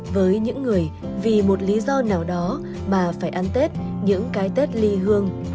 với những người vì một lý do nào đó bà phải ăn tết những cái tết ly hương